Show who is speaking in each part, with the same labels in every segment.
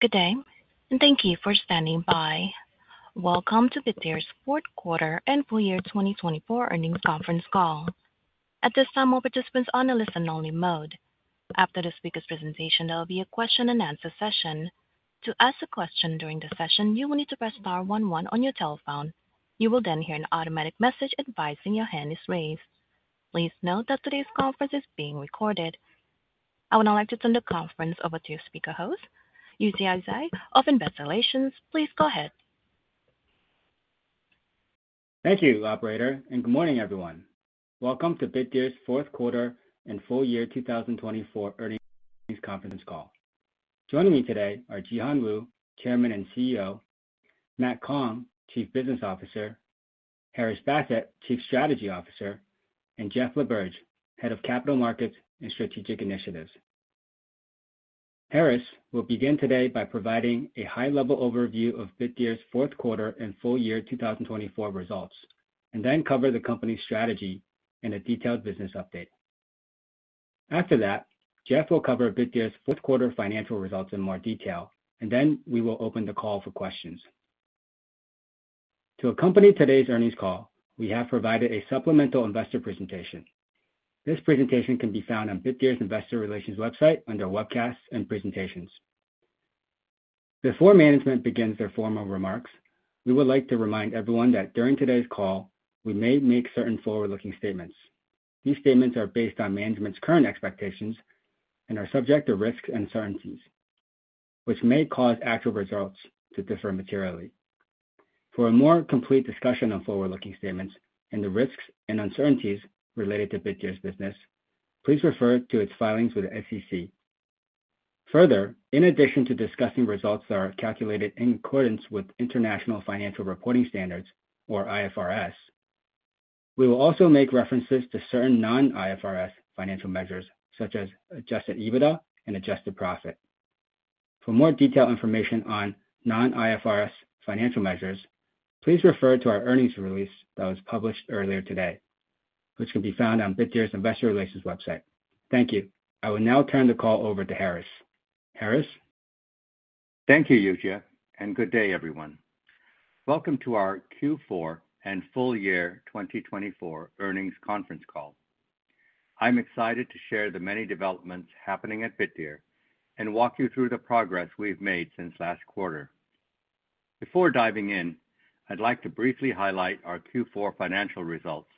Speaker 1: Good day, and thank you for standing by. Welcome to Bitdeer's Q4 and full year 2024 earnings conference call. At this time, all participants are on a listen-only mode. After this speaker's presentation, there will be a question-and-answer session. To ask a question during the session, you will need to press star one one on your telephone. You will then hear an automatic message advising your hand is raised. Please note that today's conference is being recorded. I would now like to turn the conference over to your speaker host, Yujia Zhai, of Investor Relations. Please go ahead.
Speaker 2: Thank you, Operator, and good morning, everyone. Welcome to Bitdeer's Q4 and full year 2024 earnings conference call. Joining me today are Jihan Wu, Chairman and CEO; Matt Kong, Chief Business Officer; Haris Basit, Chief Strategy Officer; and Jeff LaBerge, Head of Capital Markets and Strategic Initiatives. Haris will begin today by providing a high-level overview of Bitdeer's Q4 and full year 2024 results, and then cover the company's strategy and a detailed business update. After that, Jeff will cover Bitdeer's Q4 financial results in more detail, and then we will open the call for questions. To accompany today's earnings call, we have provided a supplemental investor presentation. This presentation can be found on Bitdeer's Investor Relations website under webcasts and presentations. Before management begins their formal remarks, we would like to remind everyone that during today's call, we may make certain forward-looking statements. These statements are based on management's current expectations and are subject to risks and uncertainties, which may cause actual results to differ materially. For a more complete discussion on forward-looking statements and the risks and uncertainties related to Bitdeer's business, please refer to its filings with the SEC. Further, in addition to discussing results that are calculated in accordance with International Financial Reporting Standards, or IFRS, we will also make references to certain non-IFRS financial measures, such as adjusted EBITDA and Adjusted Profit. For more detailed information on non-IFRS financial measures, please refer to our earnings release that was published earlier today, which can be found on Bitdeer's Investor Relations website. Thank you. I will now turn the call over to Haris. Haris?
Speaker 3: Thank you, Yujia, and good day, everyone. Welcome to our Q4 and full year 2024 earnings conference call. I'm excited to share the many developments happening at Bitdeer and walk you through the progress we've made since last quarter. Before diving in, I'd like to briefly highlight our Q4 financial results,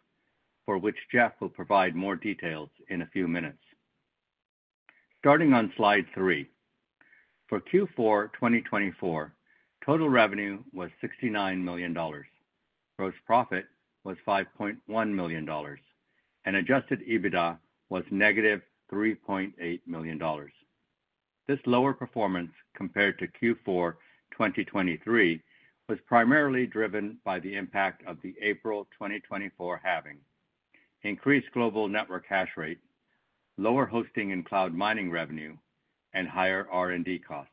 Speaker 3: for which Jeff will provide more details in a few minutes. Starting on slide three, for Q4 2024, total revenue was $69 million, gross profit was $5.1 million, and Adjusted EBITDA was negative $3.8 million. This lower performance compared to Q4 2023 was primarily driven by the impact of the April 2024 halving, increased global network hash rate, lower hosting and cloud mining revenue, and higher R&D costs.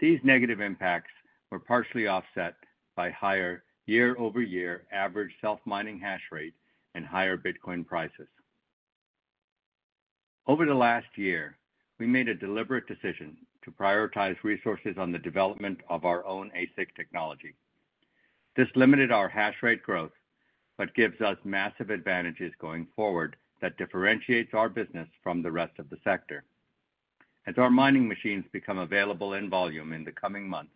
Speaker 3: These negative impacts were partially offset by higher year-over-year average self-mining hash rate and higher Bitcoin prices. Over the last year, we made a deliberate decision to prioritize resources on the development of our own ASIC technology. This limited our hash rate growth but gives us massive advantages going forward that differentiate our business from the rest of the sector. As our mining machines become available in volume in the coming months,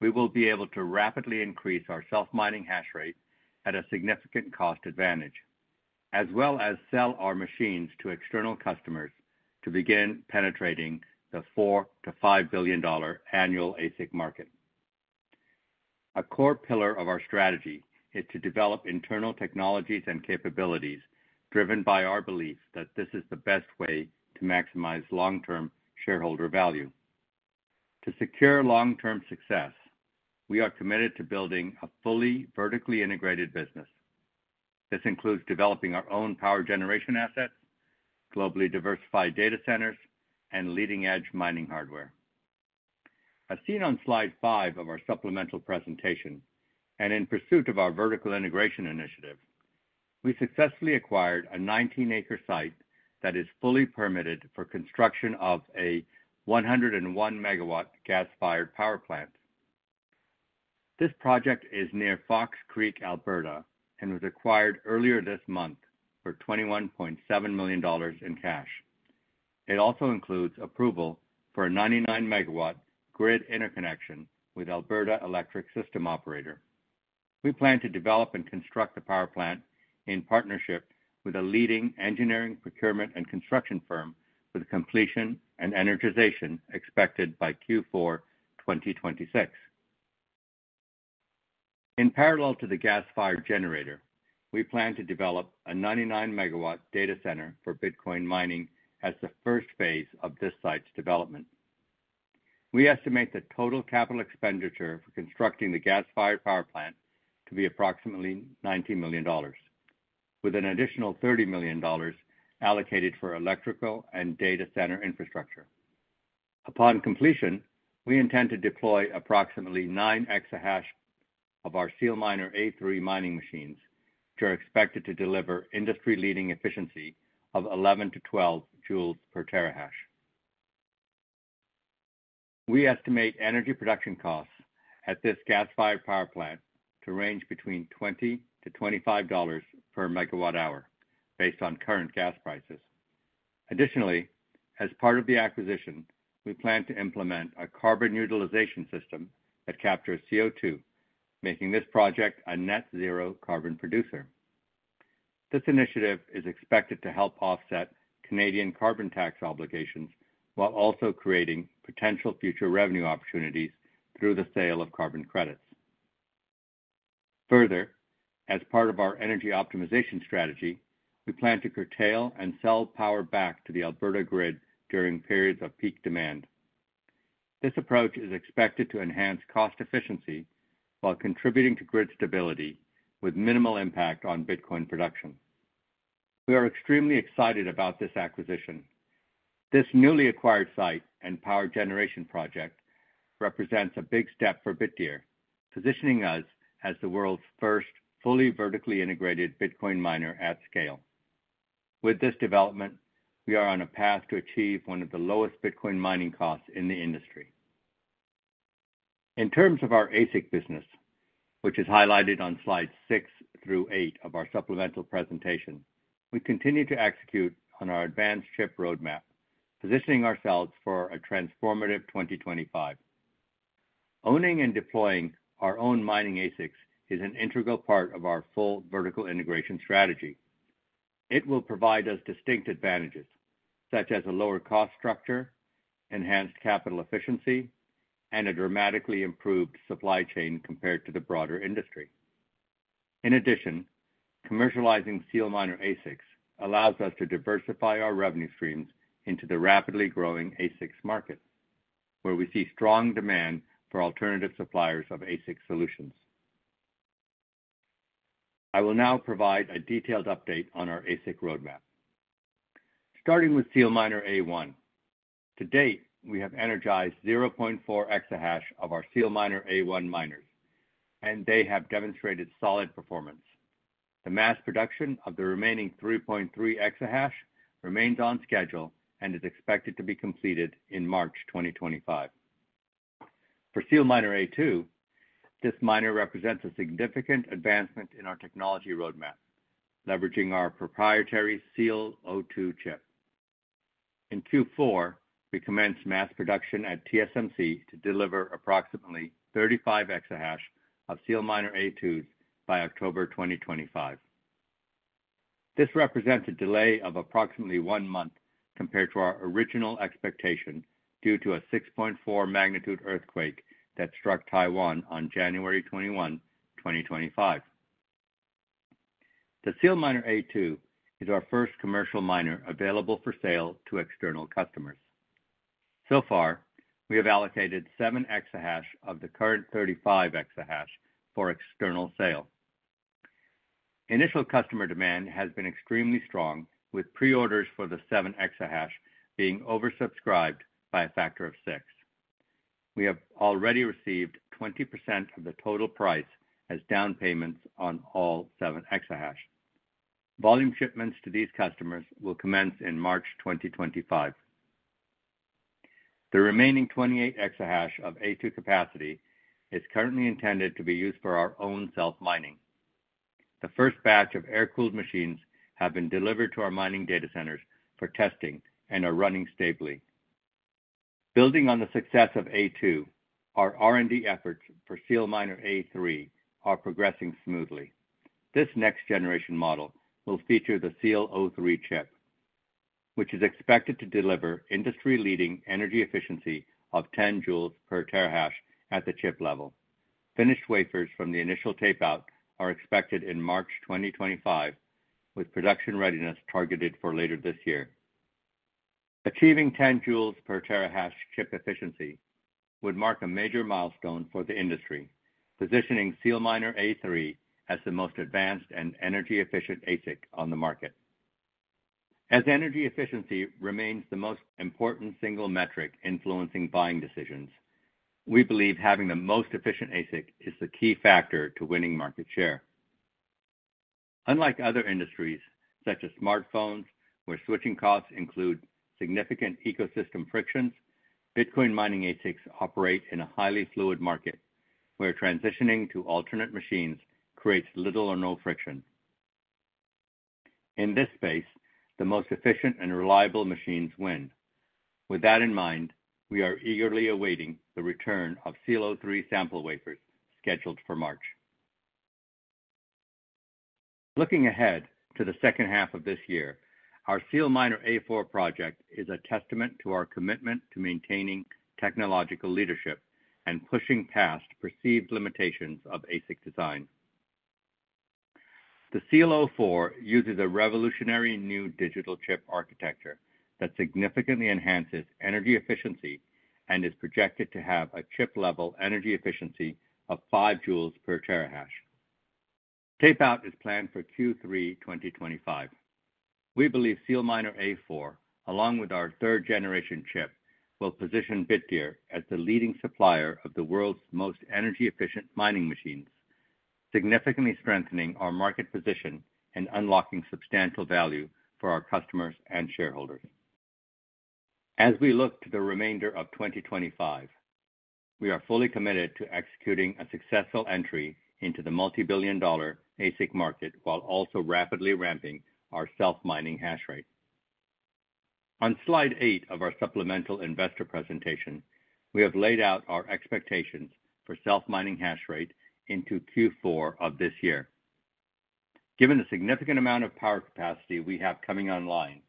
Speaker 3: we will be able to rapidly increase our self-mining hash rate at a significant cost advantage, as well as sell our machines to external customers to begin penetrating the $4 billion-$5 billion annual ASIC market. A core pillar of our strategy is to develop internal technologies and capabilities driven by our belief that this is the best way to maximize long-term shareholder value. To secure long-term success, we are committed to building a fully vertically integrated business. This includes developing our own power generation assets, globally diversified data centers, and leading-edge mining hardware. As seen on slide five of our supplemental presentation, and in pursuit of our vertical integration initiative, we successfully acquired a 19-acre site that is fully permitted for construction of a 101 MW gas-fired power plant. This project is near Fox Creek, Alberta, and was acquired earlier this month for $21.7 million in cash. It also includes approval for a 99 MW grid interconnection with Alberta Electric System Operator. We plan to develop and construct the power plant in partnership with a leading engineering, procurement, and construction firm, with completion and energization expected by Q4 2026. In parallel to the gas-fired generator, we plan to develop a 99 MW data center for Bitcoin mining as the first phase of this site's development. We estimate the total capital expenditure for constructing the gas-fired power plant to be approximately $19 million, with an additional $30 million allocated for electrical and data center infrastructure. Upon completion, we intend to deploy approximately nine exahash of our SealMiner A3 mining machines, which are expected to deliver industry-leading efficiency of 11 to 12 joule per terahash. We estimate energy production costs at this gas-fired power plant to range between $20-$25 per MW hour, based on current gas prices. Additionally, as part of the acquisition, we plan to implement a carbon utilization system that captures CO2, making this project a net-zero carbon producer. This initiative is expected to help offset Canadian carbon tax obligations while also creating potential future revenue opportunities through the sale of carbon credits. Further, as part of our energy optimization strategy, we plan to curtail and sell power back to the Alberta grid during periods of peak demand. This approach is expected to enhance cost efficiency while contributing to grid stability with minimal impact on Bitcoin production. We are extremely excited about this acquisition. This newly acquired site and power generation project represents a big step for Bitdeer, positioning us as the world's first fully vertically integrated Bitcoin miner at scale. With this development, we are on a path to achieve one of the lowest Bitcoin mining costs in the industry. In terms of our ASIC business, which is highlighted on slides six through eight of our supplemental presentation, we continue to execute on our advanced chip roadmap, positioning ourselves for a transformative 2025. Owning and deploying our own mining ASICs is an integral part of our full vertical integration strategy. It will provide us distinct advantages, such as a lower cost structure, enhanced capital efficiency, and a dramatically improved supply chain compared to the broader industry. In addition, commercializing SealMiner ASICs allows us to diversify our revenue streams into the rapidly growing ASICs market, where we see strong demand for alternative suppliers of ASIC solutions. I will now provide a detailed update on our ASIC roadmap. Starting with SealMiner A1, to date, we have energized 0.4 exahash of our SealMiner A1 miners, and they have demonstrated solid performance. The mass production of the remaining 3.3 exahash remains on schedule and is expected to be completed in March 2025. For SealMiner A2, this miner represents a significant advancement in our technology roadmap, leveraging our proprietary SEAL02 chip. In Q4, we commenced mass production at TSMC to deliver approximately 35 exahash of SealMiner A2s by October 2025. This represents a delay of approximately one month compared to our original expectation due to a 6.4 magnitude earthquake that struck Taiwan on January 21, 2025. The SealMiner A2 is our first commercial miner available for sale to external customers. So far, we have allocated seven exahash of the current 35 exahash for external sale. Initial customer demand has been extremely strong, with preorders for the seven exahash being oversubscribed by a factor of six. We have already received 20% of the total price as down payments on all seven exahash. Volume shipments to these customers will commence in March 2025. The remaining 28 exahash of A2 capacity is currently intended to be used for our own self-mining. The first batch of air-cooled machines has been delivered to our mining data centers for testing and are running stably. Building on the success of A2, our R&D efforts for SealMiner A3 are progressing smoothly. This next-generation model will feature the SEAL03 chip, which is expected to deliver industry-leading energy efficiency of 10 joules per terahash at the chip level. Finished wafers from the initial tape-out are expected in March 2025, with production readiness targeted for later this year. Achieving 10 joules per terahash chip efficiency would mark a major milestone for the industry, positioning SealMiner A3 as the most advanced and energy-efficient ASIC on the market. As energy efficiency remains the most important single metric influencing buying decisions, we believe having the most efficient ASIC is the key factor to winning market share. Unlike other industries, such as smartphones, where switching costs include significant ecosystem frictions, Bitcoin mining ASICs operate in a highly fluid market, where transitioning to alternate machines creates little or no friction. In this space, the most efficient and reliable machines win. With that in mind, we are eagerly awaiting the return of SEAL03 sample wafers scheduled for March. Looking ahead to the second half of this year, our SealMiner A4 project is a testament to our commitment to maintaining technological leadership and pushing past perceived limitations of ASIC design. The SEAL04 uses a revolutionary new digital chip architecture that significantly enhances energy efficiency and is projected to have a chip-level energy efficiency of five joules per terahash. Tape-out is planned for Q3 2025. We believe SealMiner A4, along with our third-generation chip, will position Bitdeer as the leading supplier of the world's most energy-efficient mining machines, significantly strengthening our market position and unlocking substantial value for our customers and shareholders. As we look to the remainder of 2025, we are fully committed to executing a successful entry into the multi-billion-dollar ASIC market while also rapidly ramping our self-mining hash rate. On slide eight of our supplemental investor presentation, we have laid out our expectations for self-mining hash rate into Q4 of this year. Given the significant amount of power capacity we have coming online,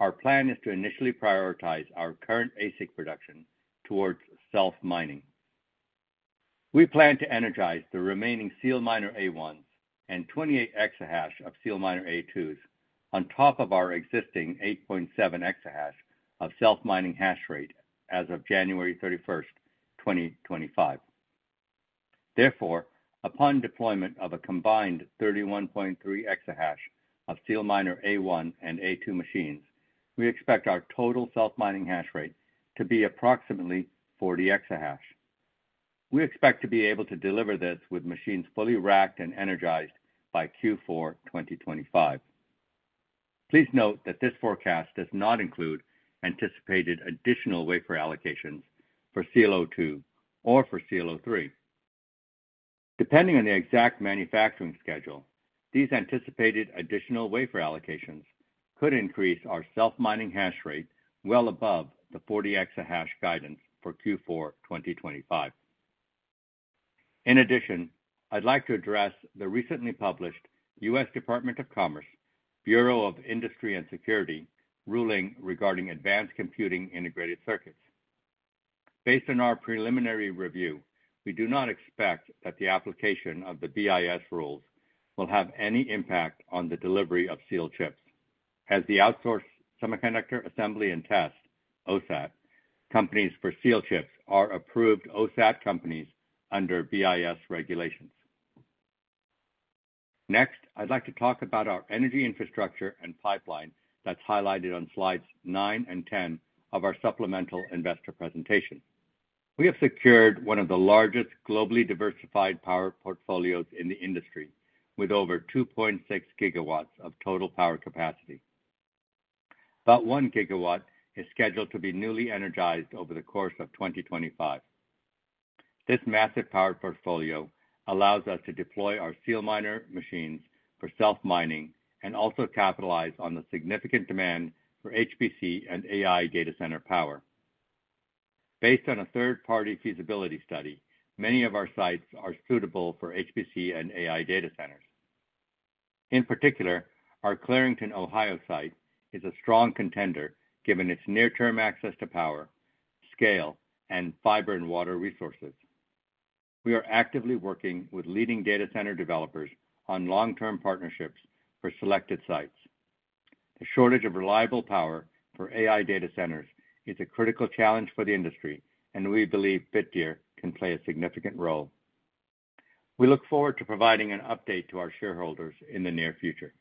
Speaker 3: our plan is to initially prioritize our current ASIC production towards self-mining. We plan to energize the remaining SealMiner A1s and 28 exahash of SealMiner A2s on top of our existing 8.7 exahash of self-mining hash rate as of January 31, 2025. Therefore, upon deployment of a combined 31.3 exahash of SealMiner A1 and A2 machines, we expect our total self-mining hash rate to be approximately 40 exahash. We expect to be able to deliver this with machines fully racked and energized by Q4 2025. Please note that this forecast does not include anticipated additional wafer allocations for SEAL02 or for SEAL03. Depending on the exact manufacturing schedule, these anticipated additional wafer allocations could increase our self-mining hash rate well above the 40 exahash guidance for Q4 2025. In addition, I'd like to address the recently published U.S. Department of Commerce Bureau of Industry and Security ruling regarding advanced computing integrated circuits. Based on our preliminary review, we do not expect that the application of the BIS rules will have any impact on the delivery of Seal chips, as the Outsourced Semiconductor Assembly and Test (OSAT) companies for Seal chips are approved OSAT companies under BIS regulations. Next, I'd like to talk about our energy infrastructure and pipeline that's highlighted on slides nine and ten of our supplemental investor presentation. We have secured one of the largest globally diversified power portfolios in the industry, with over 2.6 GW of total power capacity. About one gigawatt is scheduled to be newly energized over the course of 2025. This massive power portfolio allows us to deploy our SealMiner machines for self-mining and also capitalize on the significant demand for HPC and AI data center power. Based on a third-party feasibility study, many of our sites are suitable for HPC and AI data centers. In particular, our Clarington, Ohio site is a strong contender given its near-term access to power, scale, and fiber and water resources. We are actively working with leading data center developers on long-term partnerships for selected sites. The shortage of reliable power for AI data centers is a critical challenge for the industry, and we believe Bitdeer can play a significant role. We look forward to providing an update to our shareholders in the near future.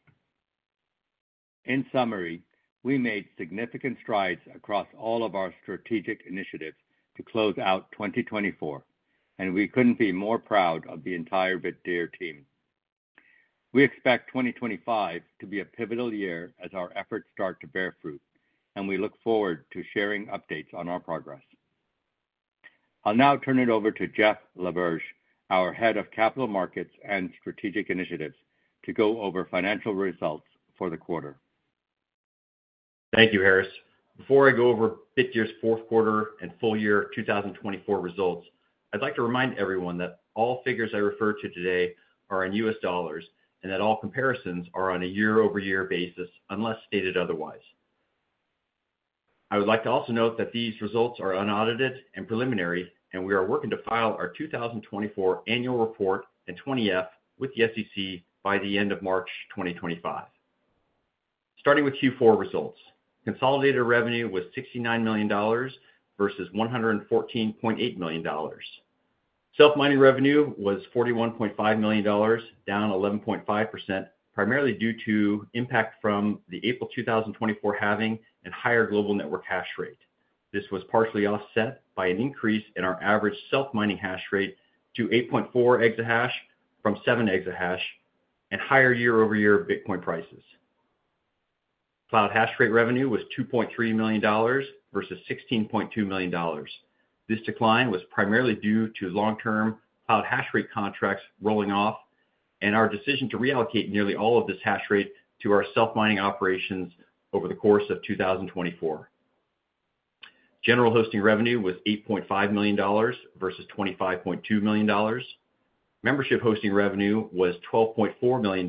Speaker 3: In summary, we made significant strides across all of our strategic initiatives to close out 2024, and we couldn't be more proud of the entire Bitdeer team. We expect 2025 to be a pivotal year as our efforts start to bear fruit, and we look forward to sharing updates on our progress. I'll now turn it over to Jeff LaBerge, our Head of Capital Markets and Strategic Initiatives, to go over financial results for the quarter.
Speaker 4: Thank you, Haris. Before I go over Bitdeer's Q4 and full year 2024 results, I'd like to remind everyone that all figures I refer to today are in U.S. dollars and that all comparisons are on a year-over-year basis unless stated otherwise. I would like to also note that these results are unaudited and preliminary, and we are working to file our 2024 annual report and 20-F with the SEC by the end of March 2025. Starting with Q4 results, consolidated revenue was $69 million versus $114.8 million. Self-mining revenue was $41.5 million, down 11.5%, primarily due to impact from the April 2024 halving and higher global network hash rate. This was partially offset by an increase in our average self-mining hash rate to 8.4 exahash from 7 exahash and higher year-over-year Bitcoin prices. Cloud hash rate revenue was $2.3 million versus $16.2 million. This decline was primarily due to long-term cloud hash rate contracts rolling off and our decision to reallocate nearly all of this hash rate to our self-mining operations over the course of 2024. General hosting revenue was $8.5 million versus $25.2 million. Membership hosting revenue was $12.4 million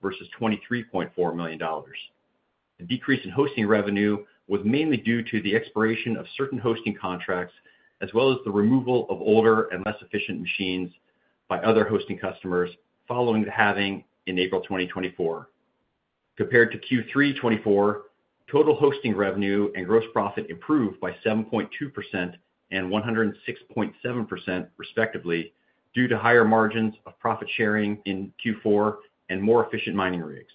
Speaker 4: versus $23.4 million. The decrease in hosting revenue was mainly due to the expiration of certain hosting contracts, as well as the removal of older and less efficient machines by other hosting customers following the halving in April 2024. Compared to Q3 2024, total hosting revenue and gross profit improved by 7.2% and 106.7%, respectively, due to higher margins of profit sharing in Q4 and more efficient mining rigs.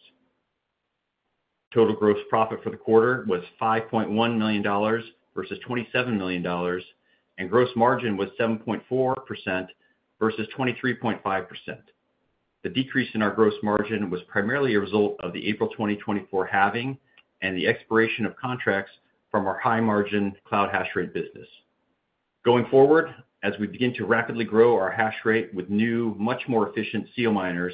Speaker 4: Total gross profit for the quarter was $5.1 million versus $27 million, and gross margin was 7.4% versus 23.5%. The decrease in our gross margin was primarily a result of the April 2024 halving and the expiration of contracts from our high-margin cloud hash rate business. Going forward, as we begin to rapidly grow our hash rate with new, much more efficient SealMiners,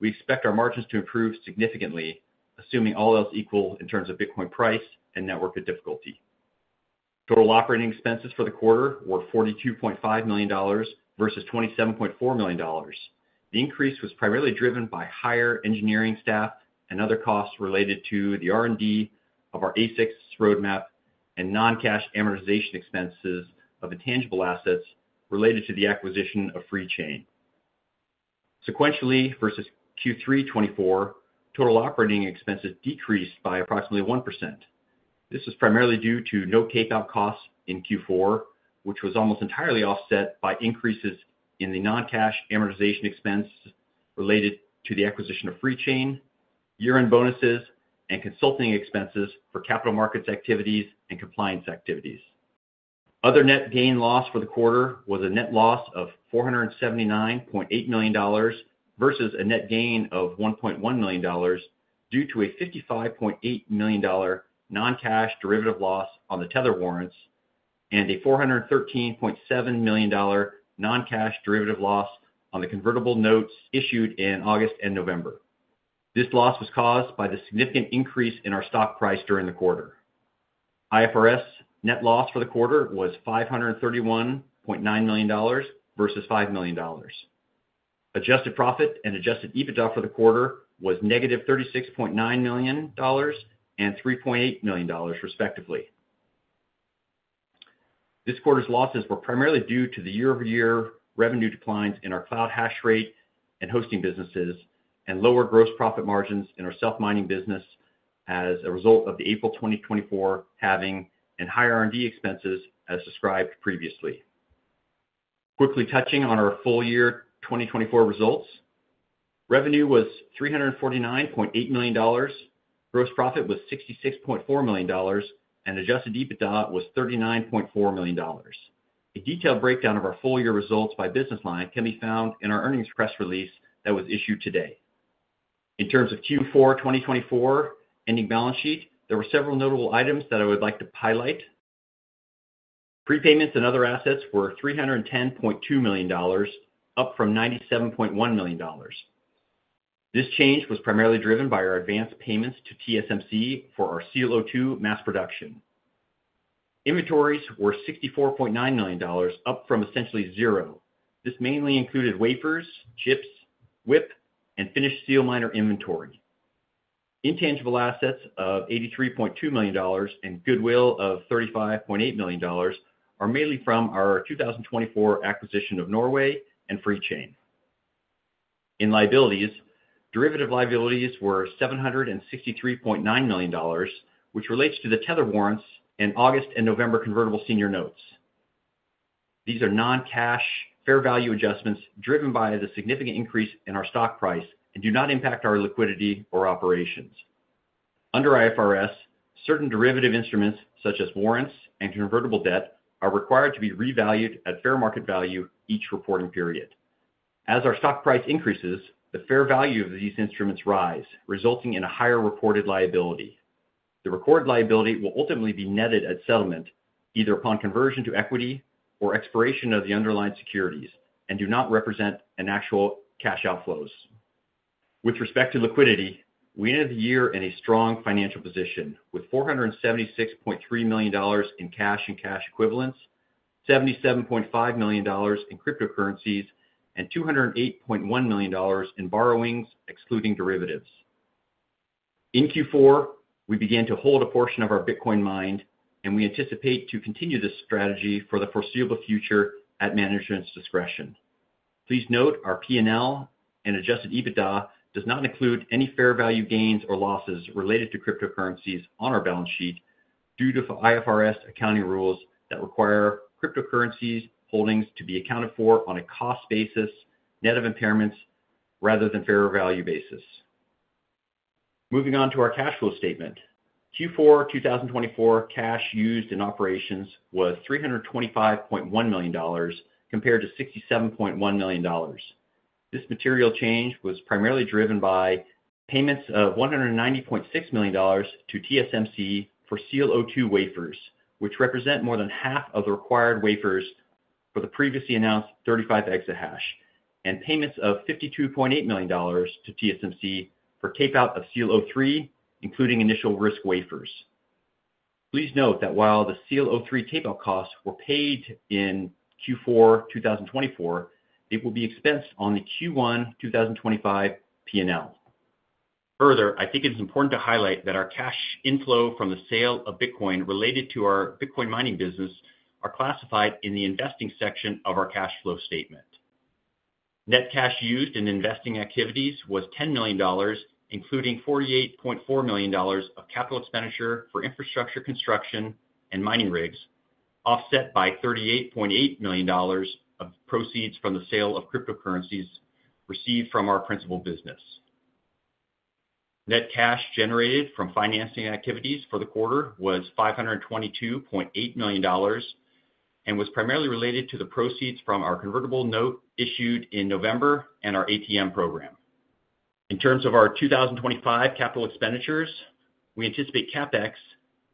Speaker 4: we expect our margins to improve significantly, assuming all else equal in terms of Bitcoin price and network difficulty. Total operating expenses for the quarter were $42.5 million versus $27.4 million. The increase was primarily driven by higher engineering staff and other costs related to the R&D of our ASICs roadmap and non-cash amortization expenses of intangible assets related to the acquisition of FreeChain. Sequentially, versus Q3 2024, total operating expenses decreased by approximately 1%. This was primarily due to no tape-out costs in Q4, which was almost entirely offset by increases in the non-cash amortization expenses related to the acquisition of FreeChain, year-end bonuses, and consulting expenses for capital markets activities and compliance activities. Other net gain loss for the quarter was a net loss of $479.8 million versus a net gain of $1.1 million due to a $55.8 million non-cash derivative loss on the Tether warrants and a $413.7 million non-cash derivative loss on the convertible notes issued in August and November. This loss was caused by the significant increase in our stock price during the quarter. IFRS net loss for the quarter was $531.9 million versus $5 million. Adjusted Profit and adjusted EBITDA for the quarter was negative $36.9 million and $3.8 million, respectively. This quarter's losses were primarily due to the year-over-year revenue declines in our cloud hash rate and hosting businesses and lower gross profit margins in our self-mining business as a result of the April 2024 halving and higher R&D expenses, as described previously. Quickly touching on our full year 2024 results, revenue was $349.8 million, gross profit was $66.4 million, and Adjusted EBITDA was $39.4 million. A detailed breakdown of our full year results by business line can be found in our earnings press release that was issued today. In terms of Q4 2024 ending balance sheet, there were several notable items that I would like to highlight. Prepayments and other assets were $310.2 million, up from $97.1 million. This change was primarily driven by our advanced payments to TSMC for our SEAL02 mass production. Inventories were $64.9 million, up from essentially zero. This mainly included wafers, chips, WIP, and finished SealMiner inventory. Intangible assets of $83.2 million and goodwill of $35.8 million are mainly from our 2024 acquisition of Troll Housing and FreeChain. In liabilities, derivative liabilities were $763.9 million, which relates to the Tether warrants and August and November convertible senior notes. These are non-cash fair value adjustments driven by the significant increase in our stock price and do not impact our liquidity or operations. Under IFRS, certain derivative instruments, such as warrants and convertible debt, are required to be revalued at fair market value each reporting period. As our stock price increases, the fair value of these instruments rise, resulting in a higher reported liability. The recorded liability will ultimately be netted at settlement, either upon conversion to equity or expiration of the underlying securities, and do not represent an actual cash outflows. With respect to liquidity, we ended the year in a strong financial position with $476.3 million in cash and cash equivalents, $77.5 million in cryptocurrencies, and $208.1 million in borrowings, excluding derivatives. In Q4, we began to hold a portion of our Bitcoin mined, and we anticipate to continue this strategy for the foreseeable future at management's discretion. Please note our P&L and adjusted EBITDA does not include any fair value gains or losses related to cryptocurrencies on our balance sheet due to IFRS accounting rules that require cryptocurrencies holdings to be accounted for on a cost basis, net of impairments, rather than fair value basis. Moving on to our cash flow statement, Q4 2024 cash used in operations was $325.1 million compared to $67.1 million. This material change was primarily driven by payments of $190.6 million to TSMC for SEAL02 wafers, which represent more than half of the required wafers for the previously announced 35 exahash, and payments of $52.8 million to TSMC for tape-out of SEAL03, including initial risk wafers. Please note that while the SEAL03 tape-out costs were paid in Q4 2024, they will be expensed on the Q1 2025 P&L. Further, I think it is important to highlight that our cash inflow from the sale of Bitcoin related to our Bitcoin mining business are classified in the investing section of our cash flow statement. Net cash used in investing activities was $10 million, including $48.4 million of capital expenditure for infrastructure construction and mining rigs, offset by $38.8 million of proceeds from the sale of cryptocurrencies received from our principal business. Net cash generated from financing activities for the quarter was $522.8 million and was primarily related to the proceeds from our convertible note issued in November and our ATM program. In terms of our 2025 capital expenditures, we anticipate CapEx,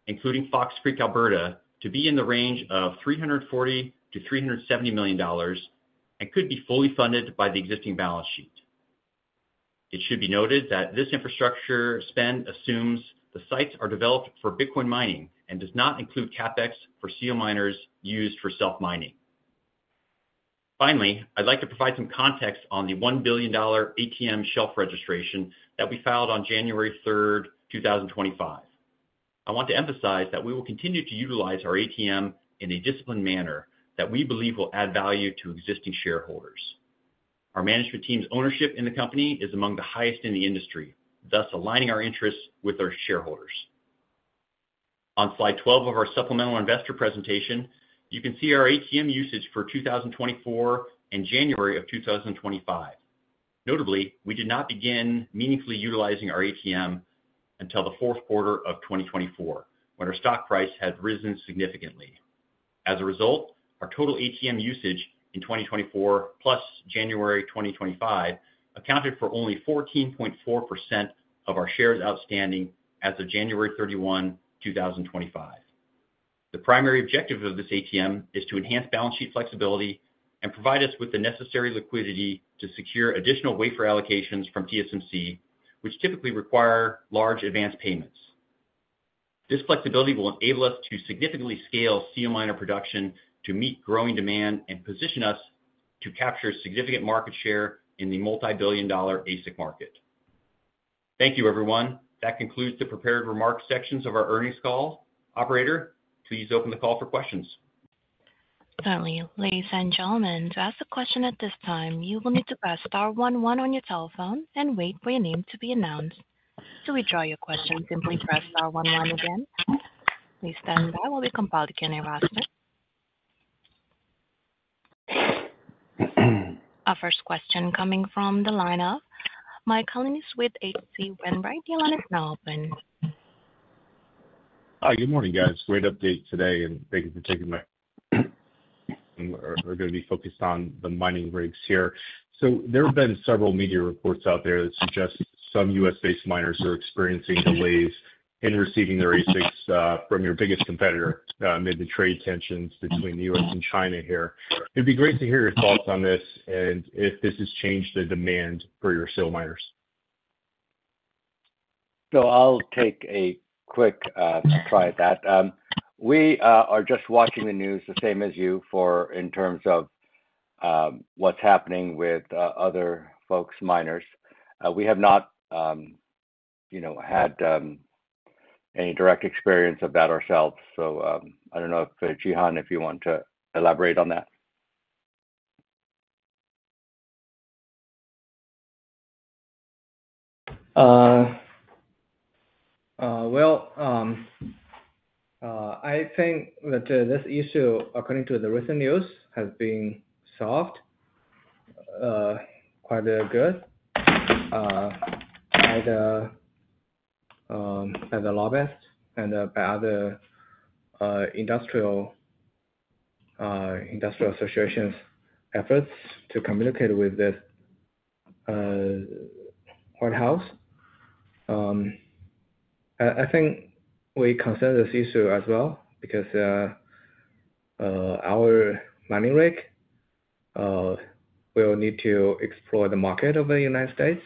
Speaker 4: including Fox Creek, Alberta, to be in the range of $340-$370 million and could be fully funded by the existing balance sheet. It should be noted that this infrastructure spend assumes the sites are developed for Bitcoin mining and does not include CapEx for SealMiners used for self-mining. Finally, I'd like to provide some context on the $1 billion ATM shelf registration that we filed on January 3, 2025. I want to emphasize that we will continue to utilize our ATM in a disciplined manner that we believe will add value to existing shareholders. Our management team's ownership in the company is among the highest in the industry, thus aligning our interests with our shareholders. On slide 12 of our supplemental investor presentation, you can see our ATM usage for 2024 and January of 2025. Notably, we did not begin meaningfully utilizing our ATM until the Q4 of 2024, when our stock price had risen significantly. As a result, our total ATM usage in 2024 plus January 2025 accounted for only 14.4% of our shares outstanding as of January 31, 2025. The primary objective of this ATM is to enhance balance sheet flexibility and provide us with the necessary liquidity to secure additional wafer allocations from TSMC, which typically require large advance payments. This flexibility will enable us to significantly scale SealMiner production to meet growing demand and position us to capture significant market share in the multi-billion-dollar ASIC market. Thank you, everyone. That concludes the prepared remarks sections of our earnings call. Operator, please open the call for questions.
Speaker 1: Finally, ladies and gentlemen, to ask a question at this time, you will need to press star one one on your telephone and wait for your name to be announced. To withdraw your question, simply press star one one again. Please stand by while we compile the Q&A requests. Our first question coming from the line of Mike Colonnese with H.C. Wainwright & Co. The line is now open.
Speaker 5: Hi, good morning, guys. Great update today, and thank you for taking my call. We're going to be focused on the mining rigs here. So there have been several media reports out there that suggest some U.S.-based miners are experiencing delays in receiving their ASICs from your biggest competitor amid the trade tensions between the U.S. and China here. It'd be great to hear your thoughts on this and if this has changed the demand for your SealMiners.
Speaker 3: I'll take a quick try at that. We are just watching the news the same as you in terms of what's happening with other folks' miners. We have not had any direct experience of that ourselves. I don't know if Jihan, if you want to elaborate on that. Well, I think that this issue, according to the recent news, has been solved quite well by the lobbyists and by other industry associations' efforts to communicate with the White House. I think we consider this issue as well because our mining rig will need to export to the market of the United States.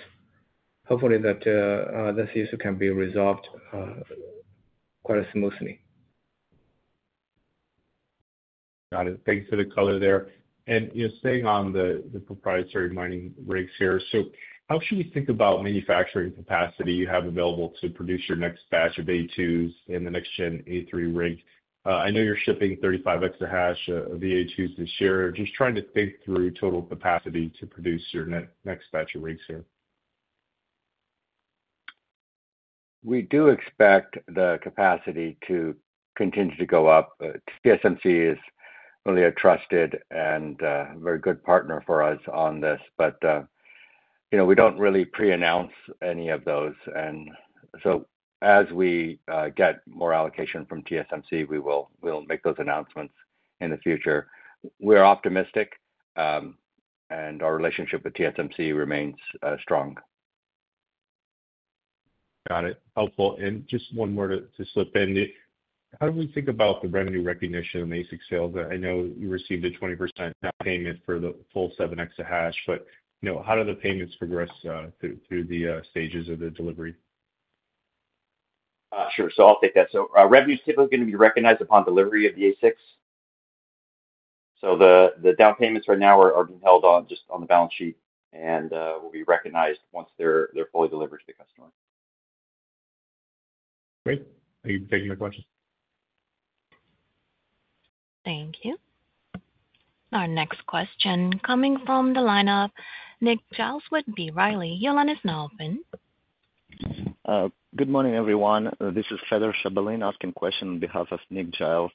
Speaker 3: Hopefully, this issue can be resolved quite smoothly.
Speaker 5: Got it. Thanks for the color there. Staying on the proprietary mining rigs here, so how should we think about manufacturing capacity you have available to produce your next batch of A2s and the next gen A3 rig? I know you're shipping 35 exahash of the A2s this year. Just trying to think through total capacity to produce your next batch of rigs here.
Speaker 3: We do expect the capacity to continue to go up. TSMC is really a trusted and very good partner for us on this, but we don't really pre-announce any of those. And so as we get more allocation from TSMC, we will make those announcements in the future. We're optimistic, and our relationship with TSMC remains strong.
Speaker 5: Got it. Helpful. Just one more to slip in. How do we think about the revenue recognition and ASIC sales? I know you received a 20% payment for the full 7 exahash, but how do the payments progress through the stages of the delivery?
Speaker 3: Sure. So I'll take that. So revenue is typically going to be recognized upon delivery of the ASICs. So the down payments right now are being held on just on the balance sheet, and will be recognized once they're fully delivered to the customer.
Speaker 5: Great.
Speaker 3: Thank you for taking the question.
Speaker 1: Thank you. Our next question coming from the line of Nick Yako with B. Riley. Your line is now open.
Speaker 6: Good morning, everyone. This is Fedor Shabalin asking a question on behalf of Nick Yako.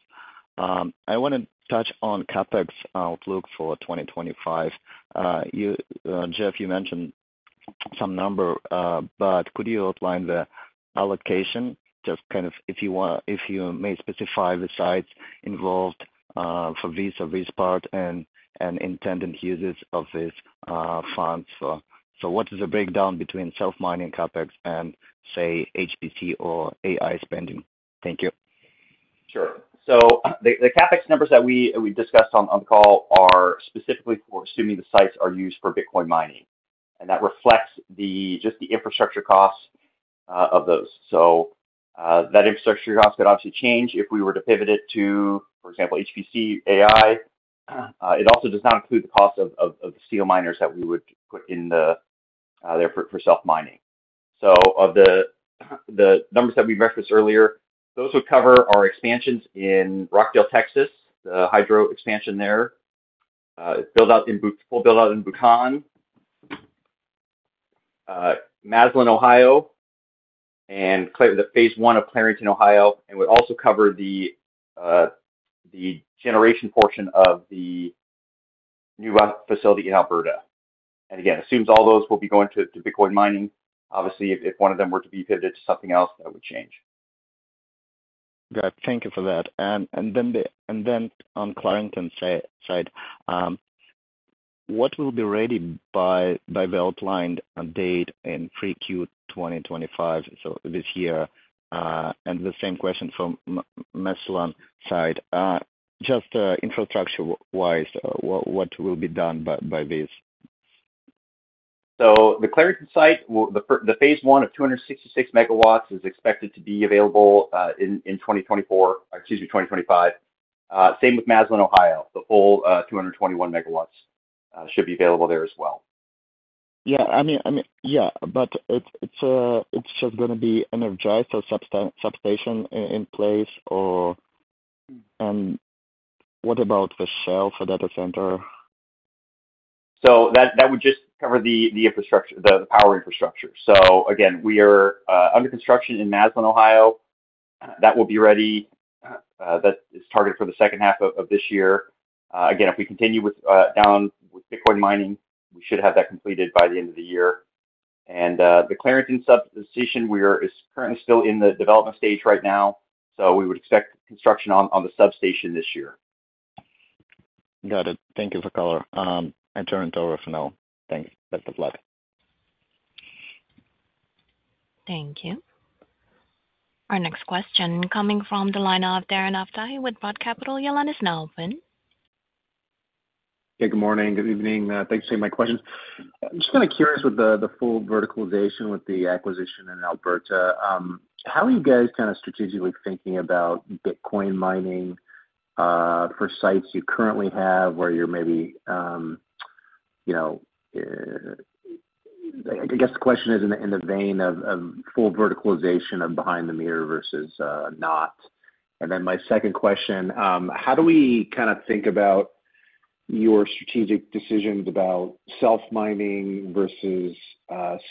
Speaker 6: I want to touch on CapEx outlook for 2025. Jeff, you mentioned some number, but could you outline the allocation? Just kind of if you may specify the sites involved for this or this part and intended uses of these funds. So what is the breakdown between self-mining CapEx and, say, HPC or AI spending? Thank you.
Speaker 4: Sure. So the CapEx numbers that we discussed on the call are specifically for assuming the sites are used for Bitcoin mining. And that reflects just the infrastructure costs of those. So that infrastructure cost could obviously change if we were to pivot it to, for example, HPC, AI. It also does not include the cost of the SealMiners that we would put in there for self-mining. So of the numbers that we referenced earlier, those would cover our expansions in Rockdale, Texas, the hydro expansion there, full buildout in Bhutan, Massillon, Ohio, and Phase I of Clarington, Ohio, and would also cover the generation portion of the new facility in Alberta. And again, assumes all those will be going to Bitcoin mining. Obviously, if one of them were to be pivoted to something else, that would change.
Speaker 6: Got it. Thank you for that. And then on Clarington’s side, what will be ready by the outlined date in Q3 2025, so this year? And the same question from Massillon’s side. Just infrastructure-wise, what will be done by this?
Speaker 4: So the Clarington site, the Phase I of 266 MW is expected to be available in 2024, excuse me, 2025. Same with Massillon, Ohio. The full 221 MW should be available there as well.
Speaker 6: Yeah. I mean, yeah, but it’s just going to be energized or substation in place? And what about the shed or data center?
Speaker 4: So that would just cover the power infrastructure. So again, we are under construction in Massillon, Ohio. That will be ready. That is targeted for the second half of this year. Again, if we continue down with Bitcoin mining, we should have that completed by the end of the year. And the Clarington substation, we are currently still in the development stage right now. So we would expect construction on the substation this year.
Speaker 6: Got it. Thank you for the color. I turn it over for now.
Speaker 4: Thanks. Best of luck.
Speaker 1: Thank you. Our next question coming from the line of Darren Aftahi with ROTH MKM. Your line is now open.
Speaker 7: Hey, good morning. Good evening. Thanks for taking my questions. I'm just kind of curious with the full vertical integration with the acquisition in Alberta. How are you guys kind of strategically thinking about Bitcoin mining for sites you currently have where you're maybe? I guess the question is in the vein of full vertical integration behind the meter versus not. And then my second question, how do we kind of think about your strategic decisions about self-mining versus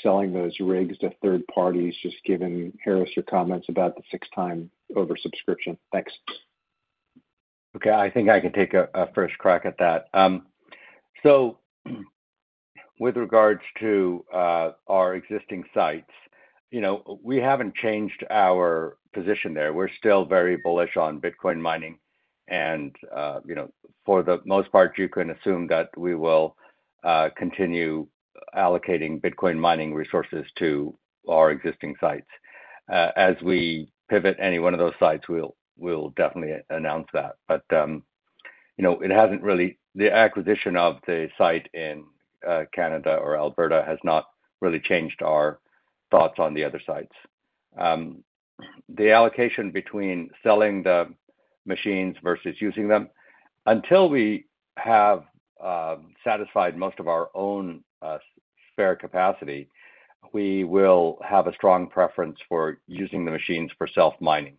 Speaker 7: selling those rigs to third parties, just given Haris' comments about the six-time oversubscription? Thanks.
Speaker 3: Okay. I think I can take a fresh crack at that. So with regards to our existing sites, we haven't changed our position there. We're still very bullish on Bitcoin mining. And for the most part, you can assume that we will continue allocating Bitcoin mining resources to our existing sites. As we pivot any one of those sites, we'll definitely announce that. But it hasn't really. The acquisition of the site in Canada or Alberta has not really changed our thoughts on the other sites. The allocation between selling the machines versus using them, until we have satisfied most of our own spare capacity, we will have a strong preference for using the machines for self-mining.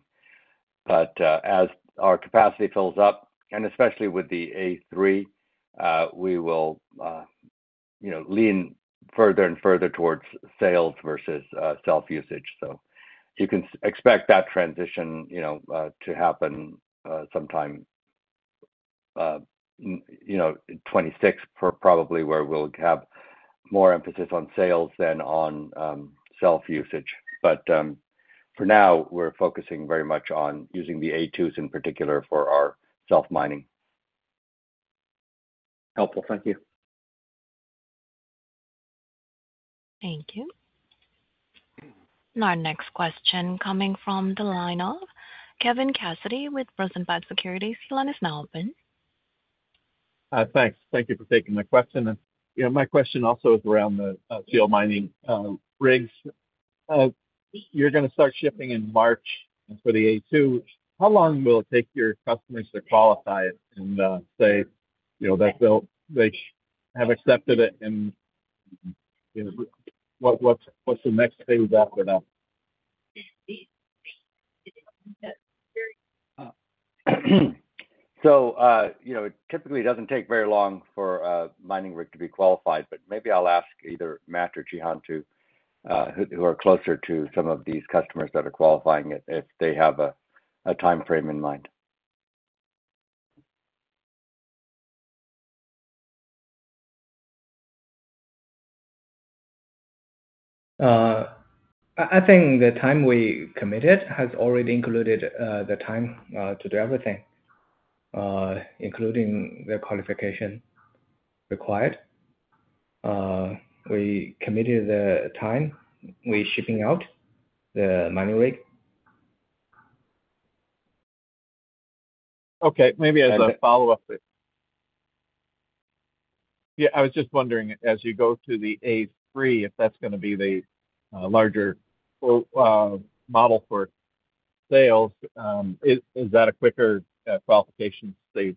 Speaker 3: But as our capacity fills up, and especially with the A3, we will lean further and further towards sales versus self-usage. So you can expect that transition to happen sometime in 2026, probably where we'll have more emphasis on sales than on self-usage. But for now, we're focusing very much on using the A2s in particular for our self-mining.
Speaker 7: Helpful. Thank you.
Speaker 1: Thank you. Our next question is coming from the line of Kevin Cassidy with Rosenblatt Securities. Your line is now open.
Speaker 8: Thanks. Thank you for taking my question. My question also is around the SealMiner rigs. You're going to start shipping in March for the A2. How long will it take your customers to qualify and say that they have accepted it? And what's the next stage after that?
Speaker 3: So it typically doesn't take very long for a mining rig to be qualified, but maybe I'll ask either Matt or Jihan too, who are closer to some of these customers that are qualifying it, if they have a time frame in mind.
Speaker 9: I think the time we committed has already included the time to do everything, including the qualification required. We committed the time we're shipping out the mining rig.
Speaker 8: Okay. Maybe as a follow-up. Yeah. I was just wondering, as you go to the A3, if that's going to be the larger model for sales, is that a quicker qualification stage?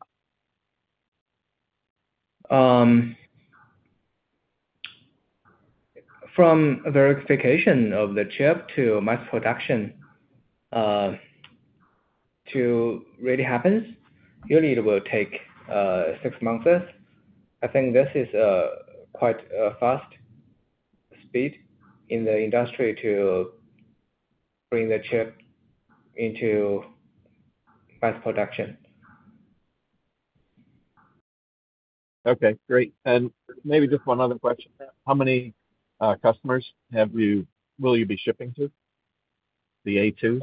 Speaker 9: From the verification of the chip to mass production, that really happens, usually it will take six months. I think this is quite a fast speed in the industry to bring the chip into mass production.
Speaker 8: Okay. Great. And maybe just one other question. How many customers will you be shipping to the A2?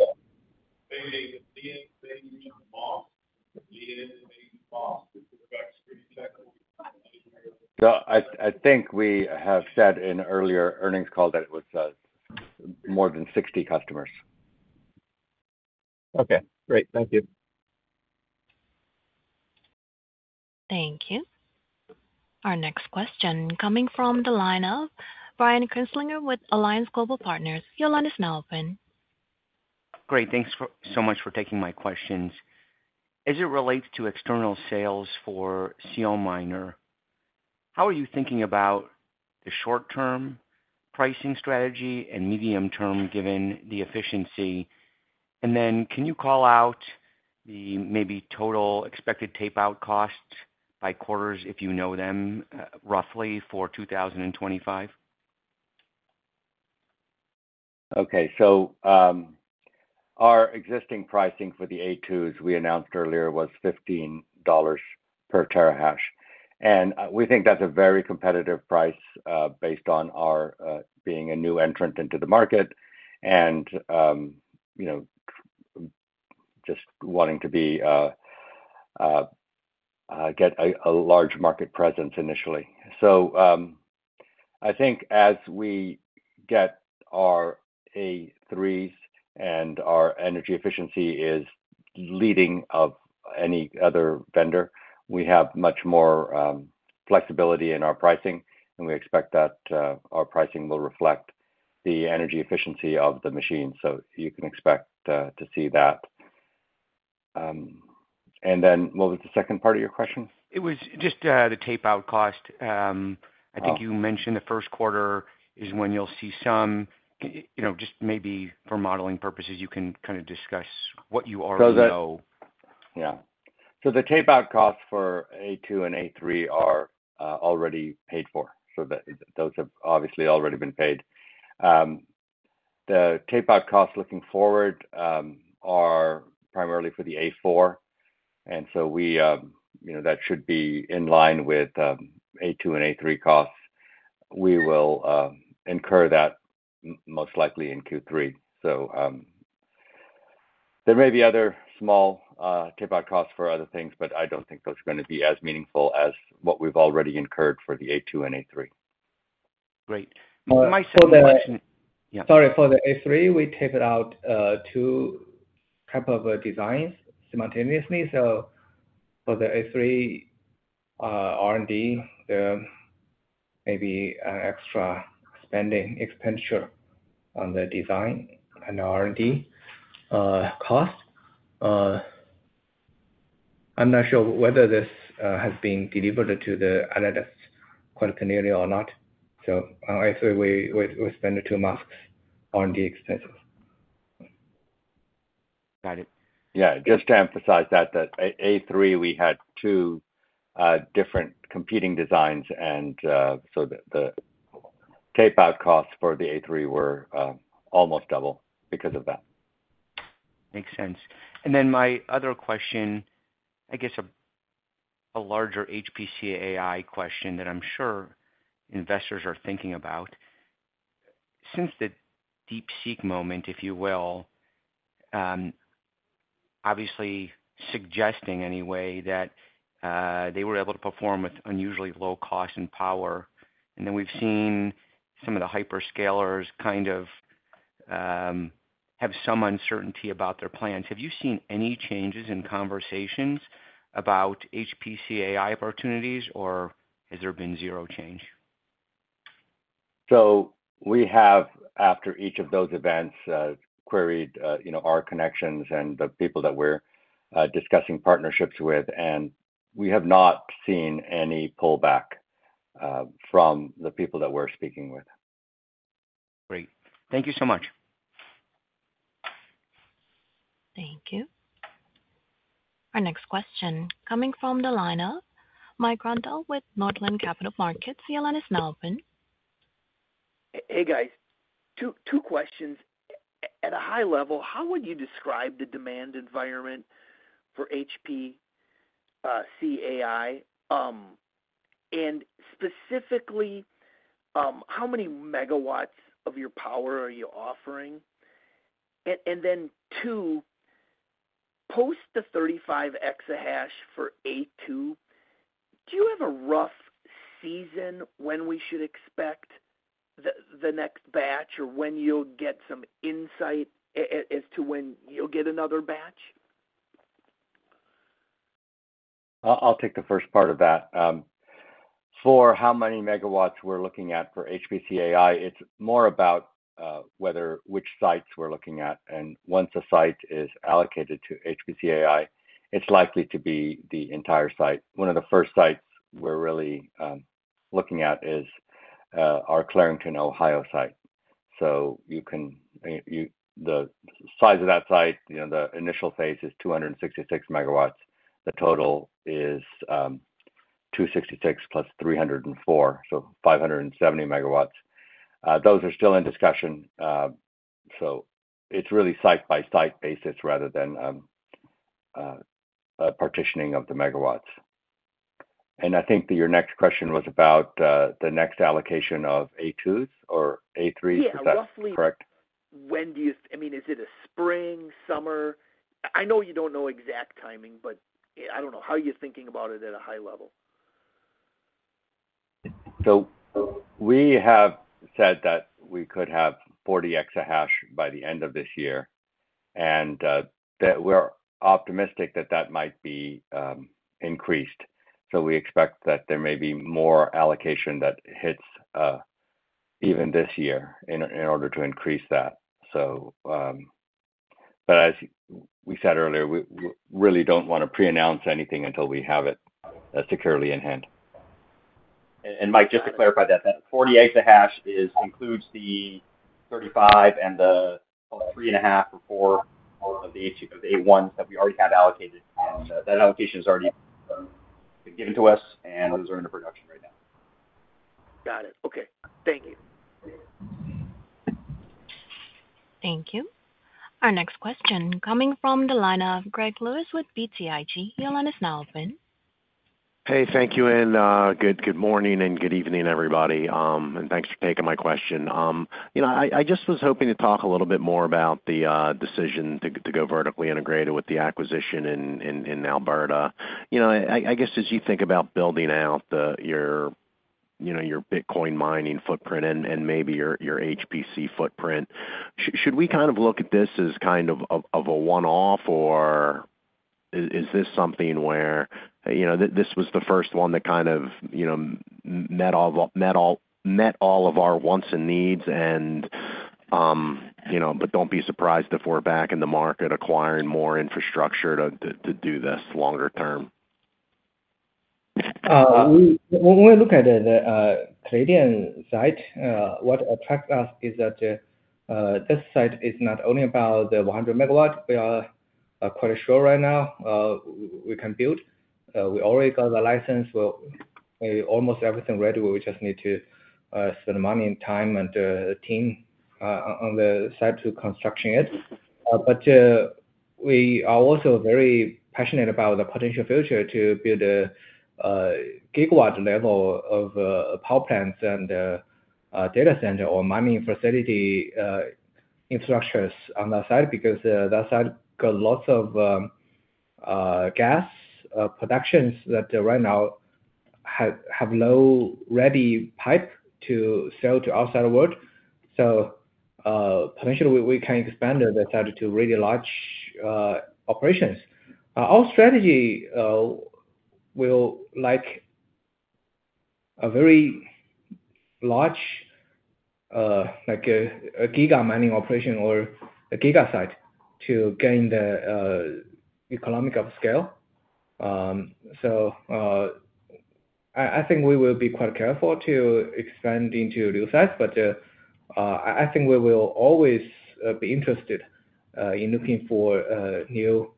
Speaker 3: I think we have said in an earlier earnings call that it was more than 60 customers.
Speaker 8: Okay. Great. Thank you.
Speaker 1: Thank you. Our next question coming from the line of Brian Kinstlinger with Alliance Global Partners. Your line is now open.
Speaker 10: Great. Thanks so much for taking my questions. As it relates to external sales for SealMiner, how are you thinking about the short-term pricing strategy and medium-term given the efficiency? And then can you call out the maybe total expected tape-out costs by quarters if you know them roughly for 2025?
Speaker 3: Okay. So our existing pricing for the A2s we announced earlier was $15 per terahash. And we think that's a very competitive price based on our being a new entrant into the market and just wanting to get a large market presence initially. So I think as we get our A3s and our energy efficiency is leading of any other vendor, we have much more flexibility in our pricing, and we expect that our pricing will reflect the energy efficiency of the machine. So you can expect to see that. And then what was the second part of your question?
Speaker 10: It was just the tape-out cost. I think you mentioned the Q1 is when you'll see some. Just maybe for modeling purposes, you can kind of discuss what you already know.
Speaker 3: Yeah. So the tape-out costs for A2 and A3 are already paid for. So those have obviously already been paid. The tape-out costs looking forward are primarily for the A4. And so that should be in line with A2 and A3 costs. We will incur that most likely in Q3. So there may be other small tape-out costs for other things, but I don't think those are going to be as meaningful as what we've already incurred for the A2 and A3.
Speaker 10: Great. My second question. Sorry.
Speaker 11: For the A3, we tape it out two types of designs simultaneously. So for the A3 R&D, there may be an extra spending expenditure on the design and R&D cost. I'm not sure whether this has been delivered to the analyst quite clearly or not. So I think we spend two months R&D expenses.
Speaker 10: Got it.
Speaker 3: Yeah. Just to emphasize that, that A3, we had two different competing designs. And so the tape-out costs for the A3 were almost double because of that.
Speaker 10: Makes sense. And then my other question, I guess a larger HPC AI question that I'm sure investors are thinking about. Since the DeepSeek moment, if you will, obviously suggesting anyway that they were able to perform with unusually low cost and power. And then we've seen some of the hyperscalers kind of have some uncertainty about their plans. Have you seen any changes in conversations about HPC AI opportunities, or has there been zero change?
Speaker 3: So we have, after each of those events, queried our connections and the people that we're discussing partnerships with. And we have not seen any pullback from the people that we're speaking with.
Speaker 10: Great. Thank you so much.
Speaker 1: Thank you. Our next question coming from the line of Mike Grondahl with Northland Capital Markets. Your line is now open.
Speaker 12: Hey, guys. Two questions. At a high level, how would you describe the demand environment for HPC AI? And specifically, how many megawatts of your power are you offering? And then two, post the 35 exahash for A2, do you have a rough sense when we should expect the next batch or when you'll get some insight as to when you'll get another batch?
Speaker 3: I'll take the first part of that. For how many megawatts we're looking at for HPC AI, it's more about which sites we're looking at. And once a site is allocated to HPC AI, it's likely to be the entire site. One of the first sites we're really looking at is our Clarington, Ohio site. So the size of that site, the initial phase is 266 MW. The total is 266 plus 304, so 570 MW. Those are still in discussion. So it's really site-by-site basis rather than a partitioning of the MW. And I think your next question was about the next allocation of A2s or A3s. Is that correct?
Speaker 12: Yeah. Roughly. I mean, is it a spring, summer? I know you don't know exact timing, but I don't know. How are you thinking about it at a high level?
Speaker 3: So we have said that we could have 40 exahash by the end of this year. And we're optimistic that that might be increased. So we expect that there may be more allocation that hits even this year in order to increase that. But as we said earlier, we really don't want to pre-announce anything until we have it securely in hand.
Speaker 4: And Mike, just to clarify that, that 40 exahash includes the 35 and the 3.5 or four of the A1s that we already had allocated. And that allocation has already been given to us, and those are under production right now.
Speaker 12: Got it.
Speaker 4: Okay. Thank you.
Speaker 1: Thank you. Our next question coming from the line of Greg Lewis with BTIG. Your line is now open.
Speaker 13: Hey, thank you. Good morning and good evening, everybody. Thanks for taking my question. I just was hoping to talk a little bit more about the decision to go vertically integrated with the acquisition in Alberta. I guess as you think about building out your Bitcoin mining footprint and maybe your HPC footprint, should we kind of look at this as kind of a one-off, or is this something where this was the first one that kind of met all of our wants and needs? And but, don't be surprised if we're back in the market acquiring more infrastructure to do this longer term.
Speaker 3: When we look at the Canadian site, what attracts us is that this site is not only about the 100 MW. We are quite sure right now we can build. We already got the license. Almost everything ready. We just need to spend the money, time, and team on the site to construct it. But we are also very passionate about the potential future to build a gigawatt-level of power plants and data center or mining facility infrastructures on that site because that site got lots of gas production that right now have low royalty pipe to sell to the outside world. So potentially, we can expand the site to really large operations. Our strategy is like a very large giga mining operation or a giga site to gain the economic scale. So I think we will be quite careful to expand into new sites. But I think we will always be interested in looking for new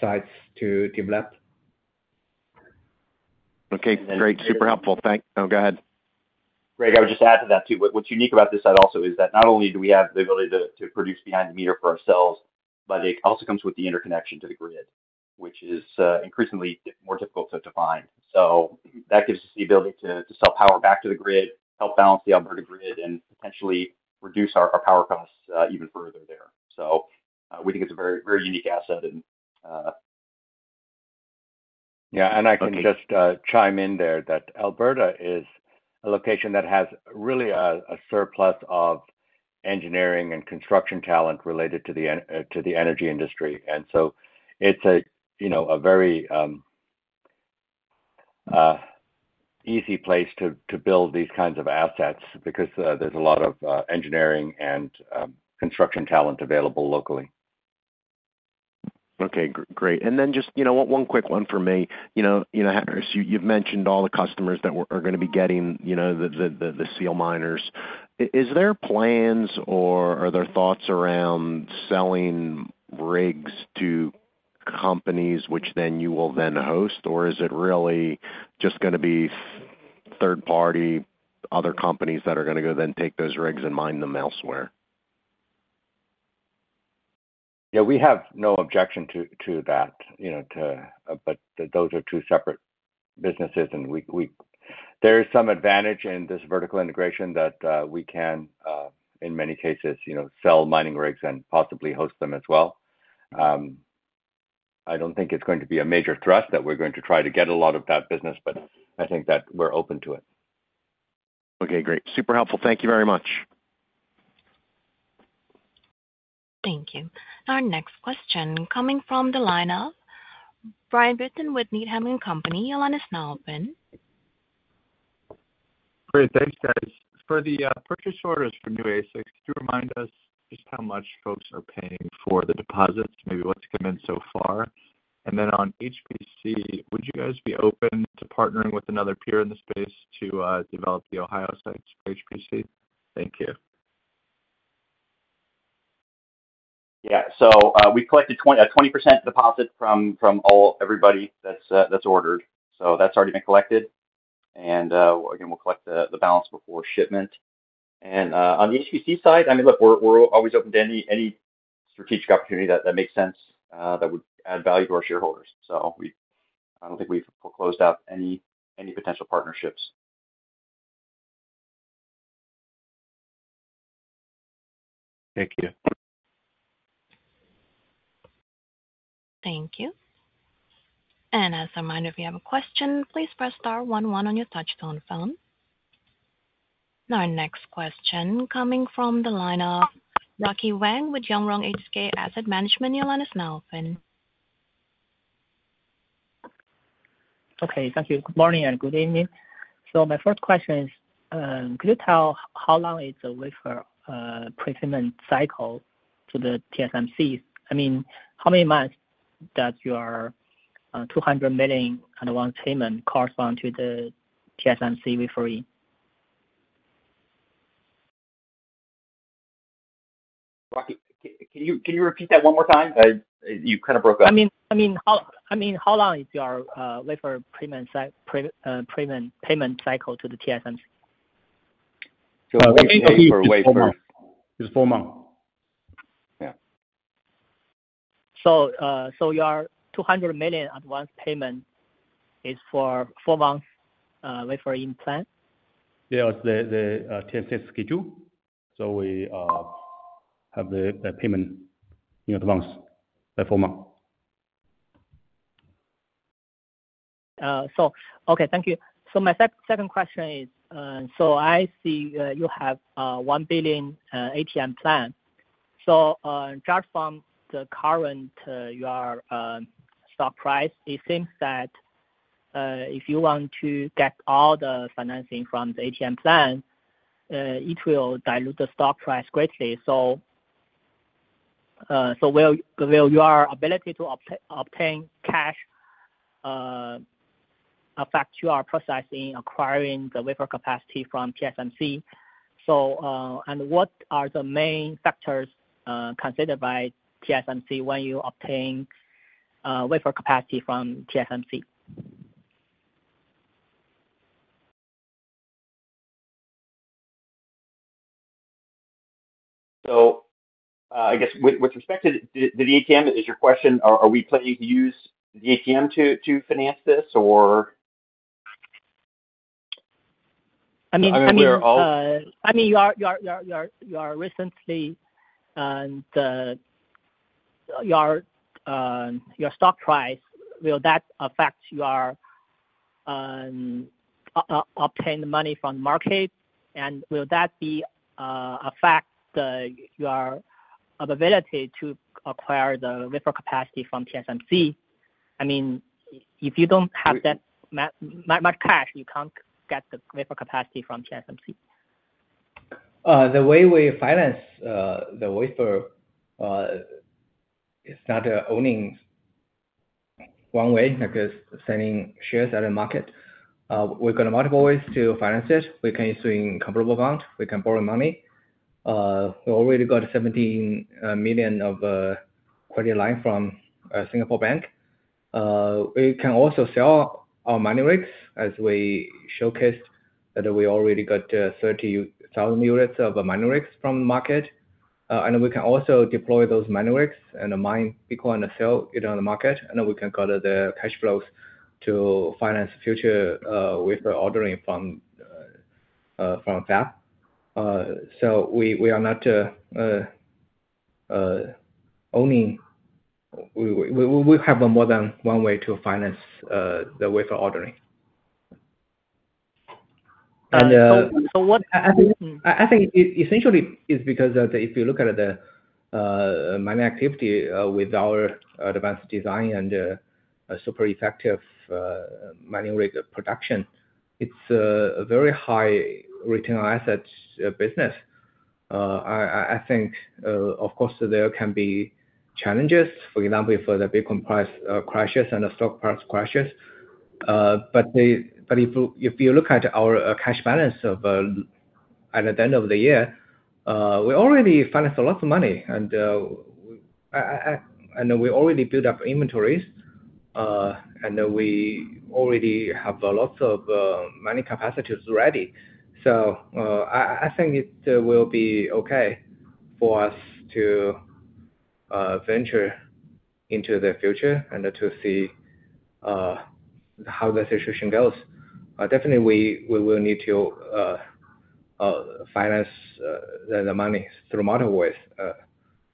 Speaker 3: sites to develop.
Speaker 13: Okay. Great. Super helpful. Thanks. Oh, go ahead.
Speaker 3: Greg, I would just add to that too. What's unique about this site also is that not only do we have the ability to produce behind the meter for ourselves, but it also comes with the interconnection to the grid, which is increasingly more difficult to find. So that gives us the ability to sell power back to the grid, help balance the Alberta grid, and potentially reduce our power costs even further there. So we think it's a very unique asset. Yeah. And I can just chime in there that Alberta is a location that has really a surplus of engineering and construction talent related to the energy industry. And so it's a very easy place to build these kinds of assets because there's a lot of engineering and construction talent available locally.
Speaker 13: Okay. Great. And then just one quick one for me. You've mentioned all the customers that are going to be getting the SealMiners. Is there plans or are there thoughts around selling rigs to companies which then you will then host? Or is it really just going to be third-party other companies that are going to go then take those rigs and mine them elsewhere?
Speaker 3: Yeah. We have no objection to that. But those are two separate businesses. And there is some advantage in this vertical integration that we can, in many cases, sell mining rigs and possibly host them as well. I don't think it's going to be a major thrust that we're going to try to get a lot of that business, but I think that we're open to it.
Speaker 13: Okay. Great. Super helpful. Thank you very much.
Speaker 1: Thank you. Our next question coming from the line of John Todaro with Needham & Company. Your line is now open.
Speaker 14: Great. Thanks, guys. For the purchase orders for new ASICs, could you remind us just how much folks are paying for the deposits, maybe what's come in so far? And then on HPC, would you guys be open to partnering with another peer in the space to develop the Ohio sites for HPC? Thank you.
Speaker 3: Yeah. So we collected 20% deposit from everybody that's ordered. So that's already been collected. And again, we'll collect the balance before shipment. And on the HPC side, I mean, look, we're always open to any strategic opportunity that makes sense that would add value to our shareholders. So I don't think we've closed out any potential partnerships.
Speaker 14: Thank you.
Speaker 1: Thank you. And as a reminder, if you have a question, please press star one one on your touch phone. Our next question coming from the line of Rocky Wang with Yong Rong HK Asset Management. Your line is now open.
Speaker 15: Okay. Thank you. Good morning and good evening. So my first question is, could you tell how long is the wafer prepayment cycle to the TSMC? I mean, how many months does your $200 million advance payment correspond to the TSMC wafer?
Speaker 3: Can you repeat that one more time?
Speaker 15: You kind of broke up. I mean, how long is your wafer payment cycle to the TSMC?
Speaker 3: So wafer is four months.
Speaker 15: Yeah. So your $200 million advance payment is for four months wafer in plan?
Speaker 3: Yeah. It's the TSMC schedule. So we have the payment in advance by four months.
Speaker 15: Okay. Thank you. So my second question is, so I see you have $1 billion ATM plan. So just from the current stock price, it seems that if you want to get all the financing from the ATM plan, it will dilute the stock price greatly. Will your ability to obtain cash affect your process in acquiring the wafer capacity from TSMC? And what are the main factors considered by TSMC when you obtain wafer capacity from TSMC?
Speaker 3: I guess with respect to the ATM, is your question, are we planning to use the ATM to finance this, or?
Speaker 15: I mean, your stock price, will that affect your obtained money from the market? And will that affect your ability to acquire the wafer capacity from TSMC? I mean, if you don't have that much cash, you can't get the wafer capacity from TSMC.
Speaker 3: The way we finance the wafer is not only one way because selling shares at the market. We've got multiple ways to finance it. We can swing comparable amount. We can borrow money. We already got $17 million of credit line from Singapore Bank. We can also sell our mining rigs as we showcased that we already got 30,000 units of mining rigs from the market. And we can also deploy those mining rigs and mine Bitcoin and sell it on the market. And we can get the cash flows to finance future wafer ordering from fab. So we are not owning. We have more than one way to finance the wafer ordering.
Speaker 15: And so what? I think essentially it's because if you look at the mining activity with our advanced design and super effective mining rig production, it's a very high return asset business.
Speaker 3: I think, of course, there can be challenges, for example, for the Bitcoin price crashes and the stock price crashes. But if you look at our cash balance at the end of the year, we already financed a lot of money. And we already built up inventories. And we already have lots of mining capacities ready. So I think it will be okay for us to venture into the future and to see how the situation goes. Definitely, we will need to finance the money through multiple ways.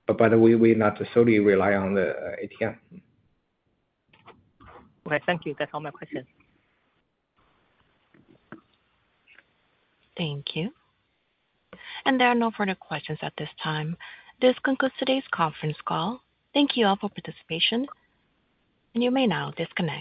Speaker 3: But we not solely rely on the ATM.
Speaker 15: Okay. Thank you. That's all my questions.
Speaker 1: Thank you. And there are no further questions at this time. This concludes today's conference call. Thank you all for participation. And you may now disconnect.